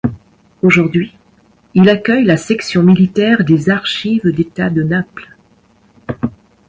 Aujourd'hui il accueille la section militaire des Archives d'État de Naples.